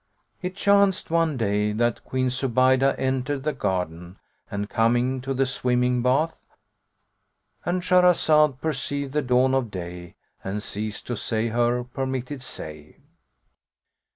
It chanced, one day, that Queen Zubaydah entered the garden and, coming to the swimming bath,—And Shahrazad perceived the dawn of day and ceased to say her permitted say.